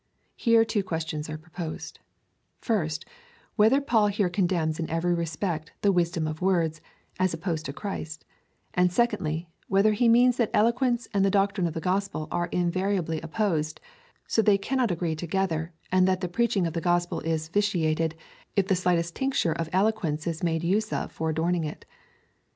Here two questions are proposed : first, whether Paul here condemns in every respect the wisdom of words, as opposed to Christ ; and secondly, whether he means that eloquence and the doctrine of the gospel are invariably opposed, so they cannot agree together, and that the preach ing of the gospel is vitiated, if the slightest tincture of eloquence^ is made use of for adorning it.